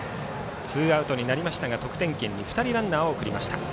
ツーアウトになりましたが得点圏に２人ランナー送りました。